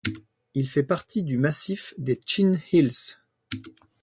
Il fait partie du massif des Chin Hills.